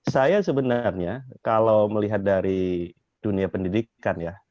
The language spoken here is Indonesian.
saya sebenarnya kalau melihat dari dunia pendidikan ya